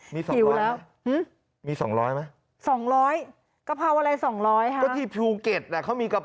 มี๒๐๐ไหม